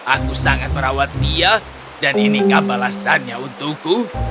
aku sangat merawat dia dan ini kebalasannya untukku